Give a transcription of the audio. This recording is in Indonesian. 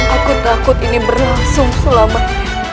aku takut ini berlangsung selamat